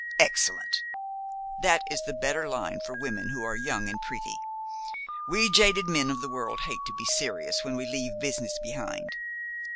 "Excellent. That is the better line for women who are young and pretty. We jaded men of the world hate to be serious when we leave business behind.